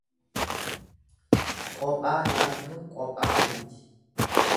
Qophaa nyaattuun qophaa duuti.